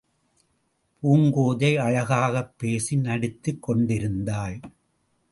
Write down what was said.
பூங்கோதை அழகாகப் பேசி நடித்துக் கொண்டிருந்தாள்.